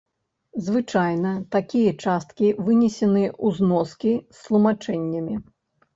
Звычайна, такія часткі вынесены ў зноскі з тлумачэннямі.